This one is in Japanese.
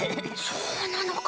そうなのか！